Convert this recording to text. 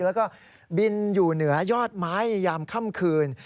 แล้วก็บินอยู่เหนือยอดไม้ยามค่ำคืน